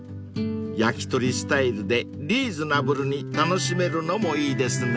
［焼き鳥スタイルでリーズナブルに楽しめるのもいいですね］